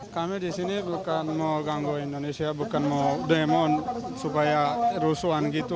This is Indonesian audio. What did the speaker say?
kami disini bukan mau ganggu indonesia bukan mau demon supaya rusuhan gitu